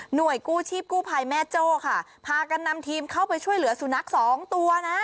กู้ชีพกู้ภัยแม่โจ้ค่ะพากันนำทีมเข้าไปช่วยเหลือสุนัขสองตัวนะ